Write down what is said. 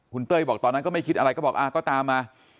คุณเต้ยบอกตอนนั้นก็ไม่คิดอะไรก็บอกก็ตามมา